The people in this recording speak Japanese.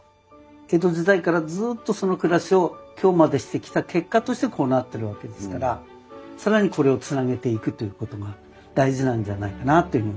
江戸時代からずっとその暮らしを今日までしてきた結果としてこうなってるわけですから更にこれをつなげていくということが大事なんじゃないかなというふうに。